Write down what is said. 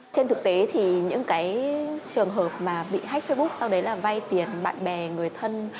trên thực tế thì những cái trường hợp mà bị hách facebook sau đấy là vay tiền bạn bè người thân